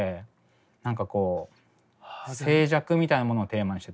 何かこう静寂みたいなものをテーマにして作ったんですよ。